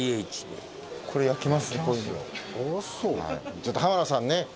ちょっと浜田さんね。